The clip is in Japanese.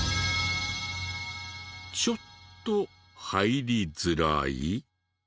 ちょっと入りづらい。